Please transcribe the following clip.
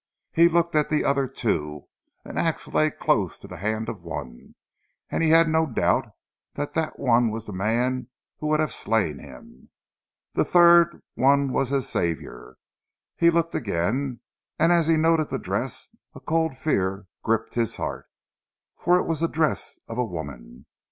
He looked at the other two. An ax lay close to the hand of one, and he had no doubt that that one was the man who would have slain him. The third one was his saviour. He looked again, and as he noted the dress a cold fear gripped his heart, for it was the dress of a woman.